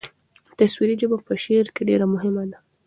تصویري ژبه په شعر کې ډېره مهمه ده.